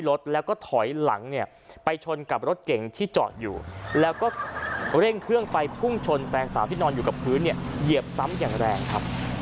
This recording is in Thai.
เร่งเครื่องไฟพุ่งชนแฟนสาวที่นอนอยู่กับพื้นเนี่ยเหยียบซ้ำอย่างแรงครับ